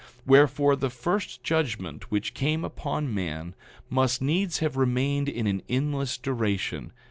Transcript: Wherefore, the first judgment which came upon man must needs have remained to an endless duration.